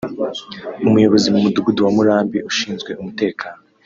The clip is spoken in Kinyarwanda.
umuyobozi mu mudugudu wa Murambi ushinzwe umutekano